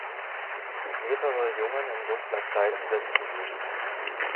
Mehrere Jungen in dunkler Kleidung setzen sich.